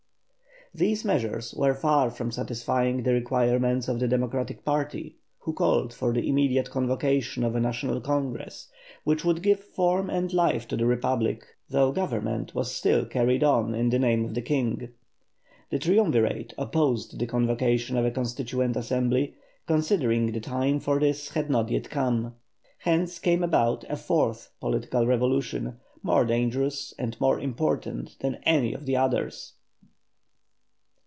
These measures were far from satisfying the requirements of the democratic party, who called for the immediate convocation of a National Congress, which would give form and life to the Republic, though government was still carried on in the name of the King. The Triumvirate opposed the convocation of a Constituent Assembly, considering the time for this had not yet come. Hence came about a fourth political evolution, more dangerous and more important than any of the others.